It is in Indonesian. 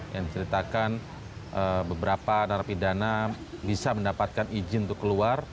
yang diceritakan beberapa narapidana bisa mendapatkan izin untuk keluar